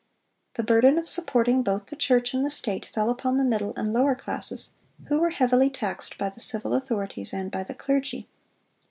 The burden of supporting both the church and the state fell upon the middle and lower classes, who were heavily taxed by the civil authorities and by the clergy.